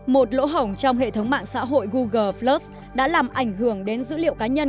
một lỗ hỏng trong hệ thống mạng xã hội google flos đã làm ảnh hưởng đến dữ liệu cá nhân